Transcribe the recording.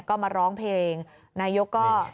ก็มาร้องเพลงนายกก็